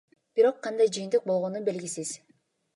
Бирок кандай жыйынтык болгону белгисиз.